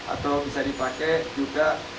atau bisa dipakai juga